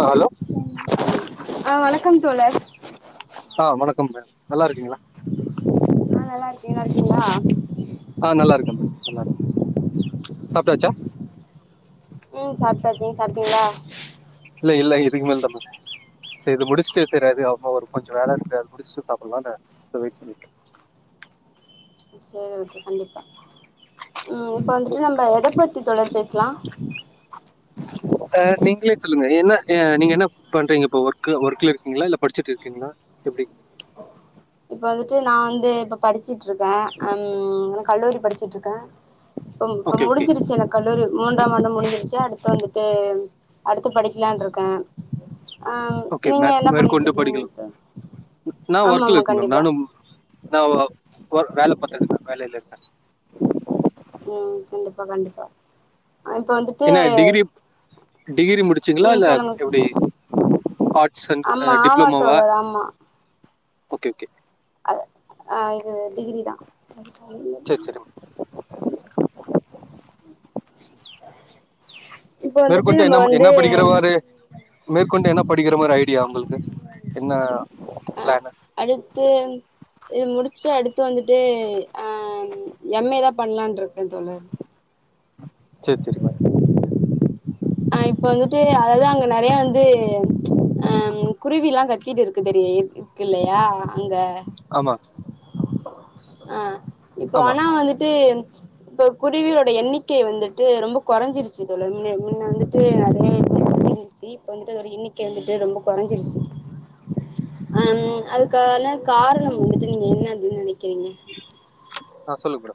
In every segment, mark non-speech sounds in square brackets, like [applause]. ஆஹ் hello ஆ வணக்கம் தோழர் ஆஹ் வணக்கம் மேம் நல்லா இருக்கீங்ளா ஆ நல்லா இருக்கே நல்லா இருக்கீங்களா ஆஹ் நல்லா இருக்க மேம் நல்லா இரு சாப்ட்டாச்சா உம் சாப்ட்டாச்சு நீங் சாப்ட்டீங்ளா இல்ல இல்ல இதுக்கு மேல தா மேம் செ இது முடிச்சுட்டு செரி அது அமா ஒரு கொஞ்சோ வேல இருக்குது அத முடிச்ட்டு சாப்பல்லானு சோ வெயிட் பண்ணிக்கே சேரி ஓகே கண்டிப்பா உம் இப்ப வந்துட்டு நம்ப எதப்பத்தி தொடர் பேசலா ளே சொல்லுங்க என்ன நீங்க என்னப் பண்றீங்க இப்ப ஒர்க்கு ஒர்க்ல இருக்கிங்ளா இல்ல படிச்சுட்டு இருக்கிங்ளா எப்டி இப்ப வந்துட்டு நா வந்து இப்ப படிச்சிட் ட்ருக்கே அ ம் கல்லூரி படிச்சுட்ருக்கே இப்பம் இப்ப ஓகே ஓகே முடிஞ்சிருச்சு எனக்கு கல்லூரி மூன்றாம் ஆண்டு முடிஞ்சிருச்சு அடுத்து வந்துட்டு அடுத்து படிக்லான் இருக்கே ஆஹ் ஓகே மே நீங்க என்ன பண்ணிட்டு மேற்கொண்டு படிக்கலாம் இருக்கீங்க [unintelligible] நான் ஆமா ஒர்க்கில் ஆமா இருக்கேன் கண்டிப் மேம் நானும் ந வ ஒரு வேல பத்துடுருக்க வேலல இருக்க உம் கண்டிப்பா கண்டிப்பா இப்ப வந்துட்டு என்ன டிகிரிப் டிகிரி முடிச்சுங்களா ம் இல்ல சொல்லுங்க சொ எப்டி ஹாட் ஆமா ஆமா தோழர் ஆமா ஒகெ ஒகெ அ ஆஹ் இது டிகிரி தா சரி சரி மேம். அ மேற்கொண்டு என்னம் என்ன படிக்கிறவாரு மேற்கொண்டு என்ன படிக்கிற மாரி ஐடியா உங்களுக்கு என்ன அ பிளானு அட்த்து வந்துட்டு அஹ் எம் ஏ தா பண்ணலான்ருக்கே தோழர் செரி செரிமா அஹ் இப்ப வந்துட்டு அதுதா அங்க நெறைய வந்து அஹ் குருவில்லா கத்திட்டு இருக்கு தெரியி இருக்கில்லையா அங்க ஆமா ஆஹ் இப்போ ஆமா ஆனா வந்துட்டு இப்போ குருவிகலோட எண்ணிக்க வந்துட்டு ரொம்ப கொறஞ்சிருச்சு தோழன் முன்ன முன்ன வந்துட்டு நெறைய [inaudible] பண்ணுச்சு இப்ப வந்துட்டு அதோட எண்ணிக்க வந்துட்டு ரொம்ப குறஞ்சிருச்சு அஹ்ன் அதுக்கான காரணம் வந்துட்டு நீங்க என்ன அப்டின்னு நினக் க்கிறீங்க ஆஹ் சொல்லு ப்ரோ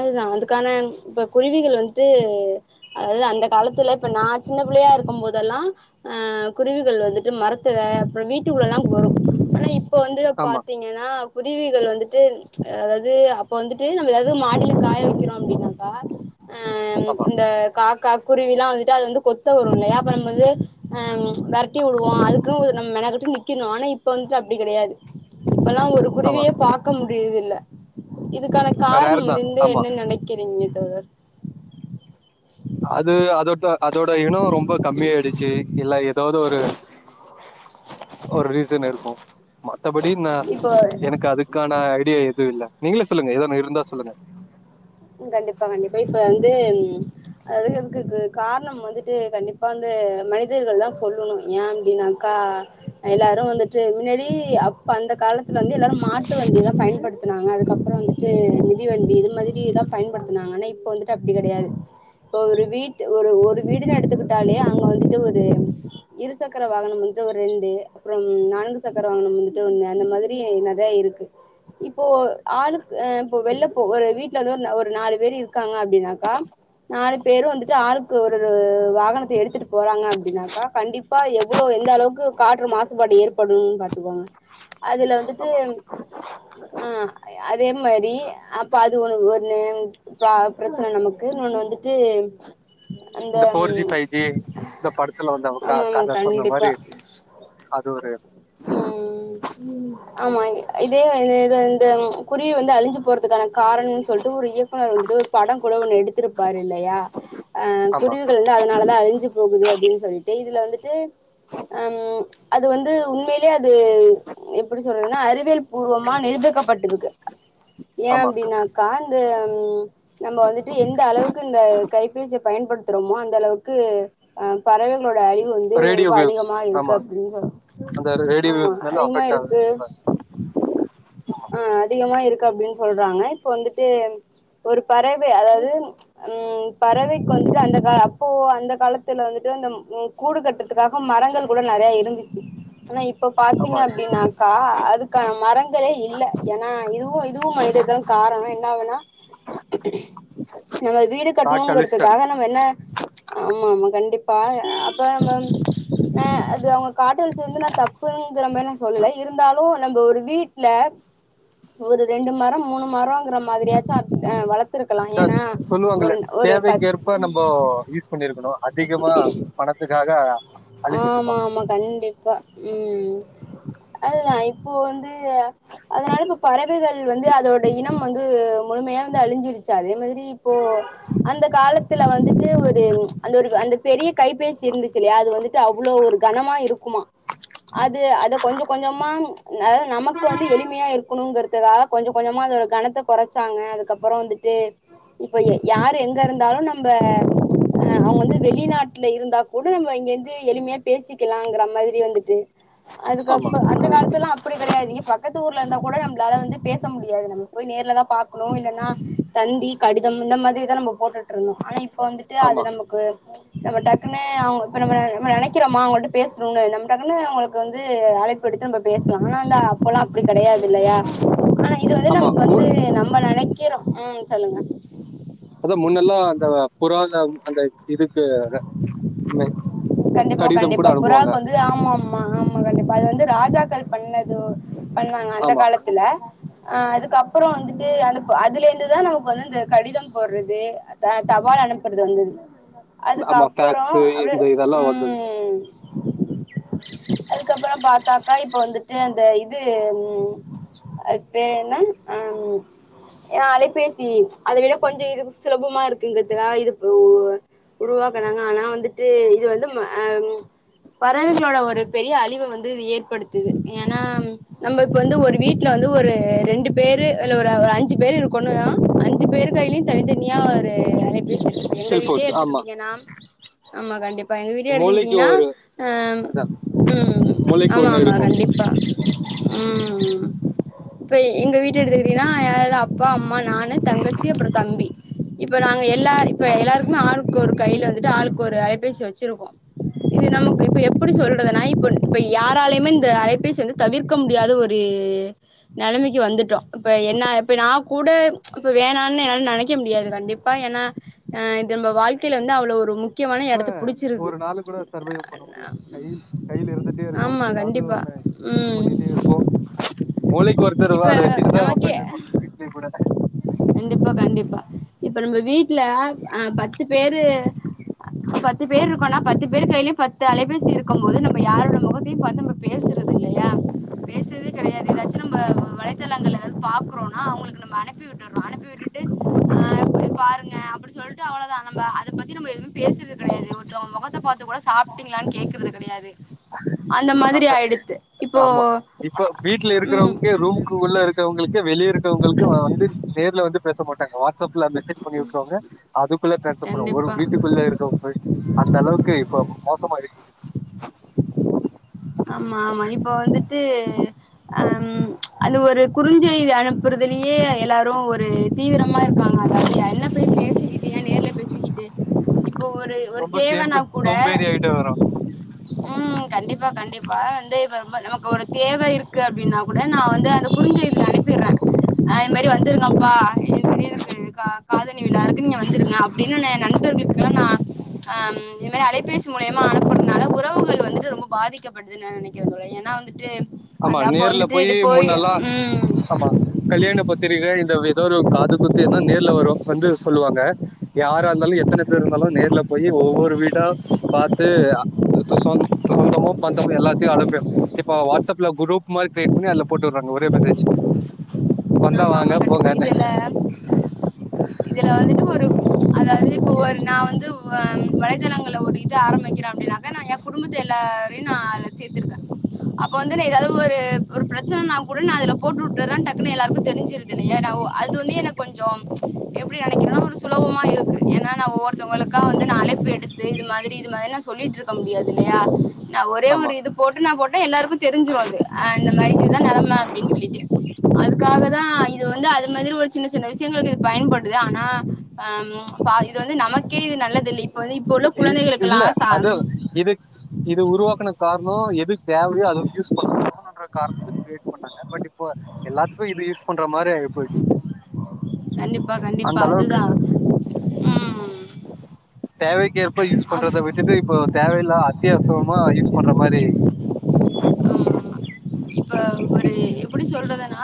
அதுதா அதுக்கான இப்ப குருவிகள் வந்துட்டு அதாவது அந்த காலத்துல இப்ப நா சின்ன பிள்ளையா இருக்கும் போதெல்லா ஆஹ் குருவிகள் வந்துட்டு மரத்துல அப்புற வீட்டுக்குள்ள எல்லா வரு ஆனா இப் இப்போ வந்துட்டு ஆமா பாத்தீங்கன்னா குருவிகள் வந்துட்டு அதாவது அப் இப்போ வந்துட்டு நம்ம து மாடில காய வைக்கிறோ அப்டின்னாக்கா ஆஹ் ஆமா இந்த காகா கு ருவில்லா வந்துட்டு அது வந்து கொத்த வரு இல்லையா அப்ப நம்ம வந்து அஹ் வெரட்டி விடுவோ அதுக்குன்னு நம்ம மெனக்கட்டி நிக்கணு ஆனா இப்ப வந்துட்டு அப்டி கெடையாது இப்பல்லா ஒரு ஆமா குருவியே பாக்க மு முடிறதுல்ல இதுக்கான கார் ரேர் ஹும் தான் மனிந்து ஆமா என்ன நெனக்கி இம்மி தவர் அது அதுத்தா அதோ இனொ ரொம்பொ கம்மியாயிடுச்சு இல்ல ஏதாவது ஒரு ஒரு ரீசன் இருக்கு ம த்தபடி நா இப்போ எனக்கு அதுக்கான ஐடியா இ துவு இல்ல நீங்களே சொல்லுங்க ஏது ஒன்னு இருந்தா சொல்லுங்க உம் கண்டிப்பா கண்டிப்பா இப்ப துன் அது இருக்குக்கு காரணம் வந்துட்டு கண்டிப்பா வந்து மனிதர்கள் தா சொல்லணு ஏ அப்டின்னாக்கா எல்லாரு வந்துட்டு முன்னாடி அப்ப அந்த காலத்துல வந்து எல்லாரு மாட்டு வண்டிதா பயன்படுத்துனாங்க அதுக்கப்புறொ வந்துட்டு மிதிவண்டி இது மாதிரிதாப் பயன்படுத்துனாங்கா ஆனா இப்போ வந்துட்டு அப்டி கெடையாது இப்பொ ஒரு வீட் ஒரு ஒரு வீடுன்னு எடுத்துக்குட்டாலே அங்க வந்துட்டு ஒரு இரு சக்கர வாங்கனம் வந்துட்டு ஒரு ரெண்டு அப்புறம் நான்கு சக்கர வாங்கனம் வந்துட்டு ஒண்ணு அந்த மாதிரி நெறைய இருக்கு இப்போ ஆளுக் ஆ இப்பொ வெள்ள போ ஒரு வீட்ல எதோ ஒன்னு ஒ ஒரு நாலு இருக்காங்க அப்டினாக்கா நாலு பேரும் வந்துட்டு ஆளுக்கு ஒரு வாகனத்தை எடுத்து போறாங்க அப்டினாக்கா கண்டிப்பா எவ்ளோ எந்த அளவுக்கு காற்று மாசுபாடு ஏற்படுன்னு பாத்துக்கோங்க அதுல வந்துட்டு ஆமா அ அதே மாதிரி அ அது ஒ ம் ப்ரா பிரச்சனை நமக்கு இன்னொண்ணு வந்துட்டு அந்த இந்த போர்ஜி ம், ஃபைவ் ஜி இந்த படத்துல வந்தவங்க க ஆமா ஆமா கத சொன்ன மாரி கண்டிப்பா அது ஒரு ம் ஆமா இதே இ இந்த குருவி வந்து அழிஞ்சு போறதுக்கான காரணம்னு சொல் ஒரு இயக்குனர் வந்து ஒரு பட கூட ஒண்ணு எடுத்திருப்பாரு இல்லையா ஆஹ் ஆமா குருவிகள் வந்து அதனாலதா அழி்ஞ்சு போகுது அப்புடின்னு சொ சொல்லிட்டு இதுல வந்துட்டு ஹம் அது வந்து உண்மையிலயே அது எப்டி சொல்றதுன்னா அறிவியல் பூர்வமா நிரூபிக்கப்பட்டிருக்கு ஏன் ஆமா அப்டினாக்கா தம் நம்ம வந்துட்டு எந்த அளவுக்கு இந்த கைபேசியை பயன்படுத்துறோமோ அந்த அளவுக்கு அ பறவைகள் ளோட அழிவு வந்து ரேடியோ ரொம்ப வேவ்ஸ் அதிகமா இருக்கு ஆமா அப்டின்னு சொல்ல அந்த ரேடியோ ஆமா வேவ்ஸ்னால அதிகமா அஃபெக்ட் ஆகுது இருக்கு ஆஹ் அதிகமா இருக்கு அப்டின்னு சொல்றாங்க இப்ப வந்துட்டு ஒரு பறவை அதாவது உஹம் பறவைக்கு வந்துட்டு அந்த கா அப்போ அந்த காலத்துல வந்துட்டு அந்த கூடு கட்டுறதுக்காக மரங்கள் கூட நெறைய இருந்துச்சு ஆனா இப் இப்ப பாத்தீங்க ஆமா அப்டின்னாக்கா அதுக் கான மரங்களே இல் இல்ல ஏன்னா இதுவு இதுவு மனிதர் தா காரணே என்னாகுனா நம்ம வீடு காட்டு அழிச்சிட்டாங்க கட்டணுங்குறதுக்காக நம்ம என்ன ஆமா ஆமா கண்டிப்பா அப்பற நம்ம ஆஹ் அது அவங்க காட்டு அழிச்சது வந்து நா தப்புங்கிற மாரி நா சொல்லல இருந்தாலு நம்ம ஒரு வீட்டு்ல ஒரு ரெண்டு மரோ மூணு மரோங்கிற மாதிரியாச்சு ஆ வளர்த்திருக்கலா சொல்லுவாங்களே தேவைக்குே ஏற்ப நம்ம யூஸ் பண்ணிருக்கணு அதிகமா பணத்துக்காக அழிச்சிட்டு ஆமா இருப்பாங்க ஆமா கண்டிப்பா ம் அதுதா இப்போ வந்து அதனால இப்ப பறவைகள் வந்து அதோட இனம் வந்து முழுமையா வந்து அழிஞ்சிருச்சு அதே மாதிரி இப்போ அந்த காலத்துல வந்துட்டு ஒரு அந்த ஒரு அந்த பெரிய கைபேசி இருந்துச்சுல்லையா அது வந்துட் அவ்ளோ ஒரு கனமா இருக்குமா அது அத கொஞ்ச கொஞ்சமா அ நமக்கு வந்து எளிமையா இருக்கணுங்கறதுக்காக கொஞ்ச கொஞ்சமா அதோட கணத்த கொறச்சாங்க அதுக்கப்புறோ வந்துட்டு இப்ப ய யாரு எங்க இருந்தாலு நம்ம அவங்க வந்து வெளிநாட்டுல இருந்தா கூட நம்ம இங்கந்து எளிமையா பேசிக்கலாம்ங்கற மாதிரி வந்துட்டு ஆமா அதுக்கப்பு அந்த கரெக்ட் காலத்து எல்லா அப்டி கெடையாது [unintelligible] பக்கத்து ஊர்ல இருந்தா கூட நம்மளால வந்து பேச முடியாது நம்ம போய் நேர்லதா பாாரக்கணு இல்லனா தந்தி கடிதம் இந்த மாதிரிதா நம்ம போட்டுட்டு இருந்தோ ஆனா இப் இப்ப வந்துட்டு அது ஆமா நமக்கு நம்ம டக்குன்னு அவங்க இப்ப நம்ம நம்ம நெனைக்கிறோம்மா அவங்கள்ட பேசணும்னு நம்ம டக்குன்னு உங்களுக்கு வந்து அழைப்பு எடுத்து நம்ம பேசலாம் ஆனா அ அப்பெல்லா அப்டி கெடையாது இல்லையா ஆனா இப் இது வந்து ஆமா நமக்கு வந்து மு- நம்ம நெனைக்க க்கிறோம் அ சொல்லுங்க அதா முன்னெல்லா அந்த புறாத அந்த இதுக்கு மெ கண்டிப்பா கடிதம் கூட கண்டிப்பா அனுப்புவாங்க புறாக்கு வந்து ஆமா ஆமா ஆம் ஆமா கண்டிப்பா அது வந்து ராஜாகள் பண்ணத் து பண்ணுவாங்க அந்த ஆமா காலத்துல அஹ் அதுக்குப்பறம் வந்துட்டு அனுப்பு அந்த அதுல இருந்துதா நமக்கு வந்து அ கடிதம் போடுறது த தபால் அனுப்புறது வந்தது ஆமா அதுக்கப்புறோ ஃபாக்ஸ்சு இந்த இதெல்லா வந்தது அதுக்கப்பறோ பாத்தாக்கா இப்ப வந்துட்டு அந்த இது ம் அதுக்கு பேர் என்ன அம் அலைபேசி அதை விட கொஞ்ச இது சுலபமா இருக்குங்கிறதுக்கா இதுப் ஓ உருவாக்குனாங்க ஆனா வந்துட்டு இது வந்து அ பறவைகளோட ஒரு பெரிய அழிவ வந்து ஏற்படுத்துது ஏன்னா நம்ம இப்ப வந்து ஒரு வீட்டுல வந்து ஒரு ரெண்டு பேரு இல்ல ஒரு அஞ்சு பேர் இருக்கோனா அஞ்சு பேருக் கையிலயு தனித்தனியா ஒரு [unintelligible] எங்க வீட்லயே செல்போன்ஸ் ஆமா எடுத்துக்கிட்டீங்கண்ணா ஆமா கண்டிப் ப்ப எங்க வீட்டுயே மூளைக்கு எடுத்துக்கிட்டீன்னா ஒரு அந்த உம் மூளைக்கு ஆமா ஒண்ணு ஆமா இருக்கும் கண்டிப்பா உம் இப்ப எங்க வீட்டு எடுத்துக்கிட்டீங்கன்னா யாராது அப்பா அம்மான் நானு தங்கச்சி அப்புறோ தம்பி இப்ப நாங்க எல்லாரு இப்ப எல்லாருக்குமே ஆலுக்கு ஒரு கையில டு ஆளுக்கு ஒரு ஐபேசி வச் ச்சிருக்கோ இது நமக்கு இப்ப எப்படி சொல்றதுன்னா இப்ப இப்ப யாராலயுமே இந்த அலைப்பேசி வந்து தவிர்க்க முடியாத ஒரு நெலைமைக்கு வந்துட்டோ இப்ப என்ன இப்ப நா கூட இப்ப வேணான்னு என்னால நெனைக்க முடியாது கண்டிப்பா ஏன்னா அ இது நம்ம வாழ்க்கையில ன்ன அவ்வளோ ஒரு முக்கியமான இப்ப எடத்துக் ஒரு நாளு கூட சர்வைவ் பண்ண முடியாது கை கையில இருந்துட்டே இருக்கும் ஆமா ஏதாவது கண்டிப்பா ஒண்ணு யூஸ் ம் பண்ணிட்டே இருப்போ மூளைக்கு ஒருத்தருவ இப்ப அத வச்சுட்டுதா நமக்கே ஒக்கான்டு இருப்போ வீட்லயே கூட கண்டிப்பா கண்டிப்பா இப்ப நம்ம வீட்ல ஆஹ் பத்து பேரு பத்து பேர் இருக்கோனா பத்துப்பே வெருங் கையிலயும் பத்து அலைபேசி இருக்கும் போது நம்ம யாரோட முகத்தையும் பார்த்து நம்ம பேசுறது இல்லையா பேசுறதே கெடையாது ஏதாச்சும் நம்ம வலைத்தளங்கள் எதாவது பாக்குறோம்னா அவங்களுக்கு நம்ம அனுப்பி விட் விட்டுரோம் அனுப்பி விட்டுட்டு் ஆ போய் பாருங்க அப்படி சொல்லிட்டு அவ்ளோதான் அத பத்தி நாம் எதுமே பேசுறது கெடையாது ஒருத்தவங்க மொகத்தை பாத்து கூட சாப்ட்டீங்களானு கேக்கறது கெடையாது அந்த மாதிரி ஆயிடுத்து இப்போ ஆமா இப்ப வீட்டுல ம் இருக்கிறவங்கக்கே ரூமுக்கு உள்ள இருக்கிறவங்களுக்கே வெளி உங்களுக்கு வந்து நேர்ல வந்து பேச மாட்டாங்க வாட்ஸ்அப் மெசேஜ் பண்ணி விட்டுருவாங்க அதுக்குள்ள ட்ரான்ஸ்வர் பனுவம் ஒரு கண்டிப்பா வீட்டுக்குள்ள இருக்கவங்கல்ட அந்த அளவுக்கு இருக் மோசமாயிருச்சு ஆமா ஆமா இப்போ வந்துட் தியே ஹம்ம் ச் அந்த ஒரு குறுஞ்செய்தி அனுப்புறதுலயே எல்லாரும் ஒருத் தீவிரம் இருக்காங்க அதாவது என்ன போய் பேசிக்கிட்டு ஏன் நேர்ல பேசிக்கிட்டு இப்போ ஒரு ஒரு ரொம்ப சேம்பு தேவன்னா கூட சோம்பேறி ஆயிட்டே வரும் அம் கண்டிப்பா கண்டிப்பா வந்து இப்ப ரொம்ப நமக்கு ஒருத் தேவை இருக்கு அப்படின்னா கூட நான் வந்து அந்த குறிஞ்செய்தில அனுப்பிவிடுறேன். இந்த மாதிரி வந்துருங்கப்பா என் பெரியவனூக்கு காதனி விழா இருக்கு நீங்க வந்துருங்க அப்படின்னு நண்பர்களுக்குல்லாம் நான் ஹ் இது மாரி அலைபேசி மூலியமா அனுப்பறதுனால உறவ உறவுகள் வந்துட்டு ரொம்ப பாதிக்கப்படுதுனு நான் நெனைக்கிறேன் ஏன்னா வந்துட்டு ஆமா அந்த அப்ப நேர்ல வந்துட்டு போயி இது போய் முன்னல்லா ம். ஆமா கல்யாண பத் தெரிவே இந்த எதோ ஒரு காது குத்து என்னா நேர்ல வரும் வந்து சொல்லுவாங்க யாரா இருந்தாலு எத்தனை பேர் இருந்தாலு நேர்ல போய் ஒவ்வொரு வீடா பாத்து அ த த சொந் சொந்தமு பந்தமு எல்லாத்தையு அழைப்பொய் இப்ப வாட்ஸ்அப்ல குரூப் மாரி கிரியேட் பண்ணி அதுல போட்டு வுட்றாங்க ஒரே மெசேஜ் வந்தா ஆமாமா. வாங்கப் இதுல இதுல வந்துட்டு ஒரு ச் அதாவ்து இப்ப ஒரு நா வந்து வம் வலைதளங்கள்ள ஒரு இது ஆரம்பிக்கிறே அப்டின்னா அதா நா எ குடும்பத்துல எல்லாரையு நா அதுல சேத்திருக்கே அப் ப வந்து நா ஏதாது ஒரு பிரச்சனனா கூட நா அதுல போட்டுட்டுர்ற டக்குனு எல்லாருக்கு தெரிஞ்சிருது இல்லையா நா ஓ அது வந்து எனக்கு கொஞ்ச எப்படி நெனக்கனுனா ஒரு சுலபமா இருக்கு ஏனா நா ஒவ்வொருத்தவங்களுக்கு வந்து நா அழைப்பு எடுத்து இது மாதிரி இது மாதிரி நா சொல்லிட்ருக்க முடியாது இல்லையா நா ஒரே ஆமா ஒரு இது போட்டு நா போட்டா எல்லாருக்கு தெரிஞ்சிரு அது அந்த மாதிரிதா நெலம அப்டின்னு சொல்லிட்டு அது க்காகதா இது வந்து அது இந்த மாதிரி ஒரு சின்ன சின்ன விஷயங்கள் இது பயன்படுது ஆனா ஆ பா இது வந்து நமக்கே இது ந ல்லதில்லை இப்ப வந்து இப்ப உள்ள இ குழந்தைகளுக்குலா இல்ல ச காரண எது தேவையோ அது யூஸ் பண்ண ன்ற காரணத்துக்கு கிரியேட் பண்ணாங்க பட் இப்ப எல்லாத்துக்கு இது யூஸ் பண் ற மாரி ஆயிபோச்சு கண்டிப்பா கண்டிப்பா அந்தளவுக்கு அதுதா ம் தேவைக்ககேற்ப யூஸ் அப் பண்றத விட்டுட்டு இப்போ தேவையில்லா அத்தியா வசுவமா யூஸ் பண்ற மாரி ஆமா இப்ப ஒரு எப்பிடி சொல்றதுனா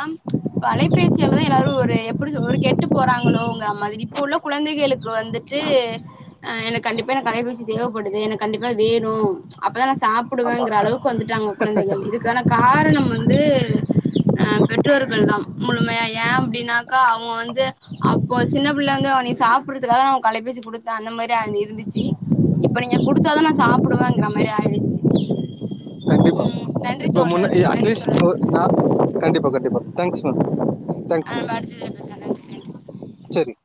தொலைபேசியாலதா எல்லாரு ஒரு எப்படி ஒரு கெட்டு போறாங்களோ உங்க அது இப்ப உள்ள குழந்தைகளுக்கு வந்துட்டு ஆ எனக்கு கண்டிப்பா எனக்கு அலைபேசி தேவ ப்படுது எனக்கு கண்டிப்பா வேணு அப் பதா நா சாப்பிடுவங்கிற அளவுக்கு வந்துட்டாங்க குழந்தைகள் இதுக்கான காரணம் வந்து ஆ பெற்றோர்கள்தா முழுமையா ஏ அப்டினாக்கா அவங்க வந்து அப்போ சின்ன பிள்ளைங்க நீ சாப்படறதுக்காக நா உனக்கு அலைபேசி குடுத்த அந்த மாரி இருந்துச்சு இப்ப நீங்க குடுத்தாதா நா சாப்பிடுவேங்கிற மாரி ஆயிருச்சு கண்டிப்பா இப்ப முன்ன ஏ நன்றி அட்லீஸ்ட் தோழர் ஓ நா கண்டிப்பா கண்டிப்பா தேங்க்ஸ் மேம் தேங்க்ஸ் ஆ நம்ம மேடம் அடுத்ததுல பேசலாம் நன்றி நன்றி செரி